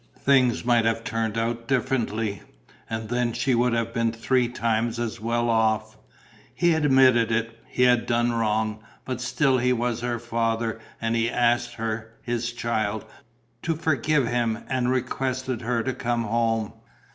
Things might have turned out differently; and then she would have been three times as well off. He admitted it, he had done wrong; but still he was her father and he asked her, his child, to forgive him and requested her to come home.